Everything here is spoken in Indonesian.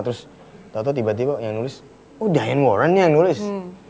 terus tau tau tiba tiba yang nulis oh diane warren yang nulis